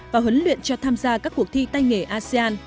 và huấn luyện cho tham gia các cuộc thi tay nghề asean